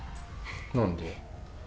何で？